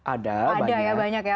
ada banyak ya